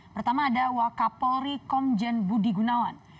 pertama ada waka polri komjen budi gunawan